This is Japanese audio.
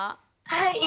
はい。